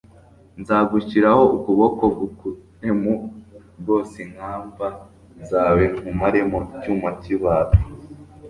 Nzagushyiraho ukuboko ngukuremo rwose inkamba zawe, nkumaremo icyuma cy'ibati.